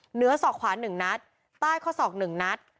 ศอกขวา๑นัดใต้ข้อศอก๑นัด